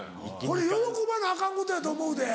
これ喜ばなアカンことやと思うで。